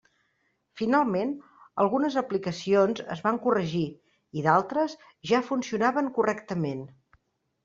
Finalment, algunes aplicacions es van corregir i d'altres ja funcionaven correctament.